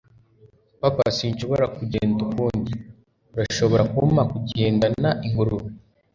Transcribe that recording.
papa, sinshobora kugenda ukundi. urashobora kumpa kugendana ingurube